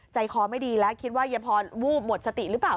คอไม่ดีแล้วคิดว่ายายพรวูบหมดสติหรือเปล่า